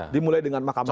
dimulai dengan makam laku